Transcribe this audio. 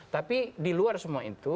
tapi diluar semua itu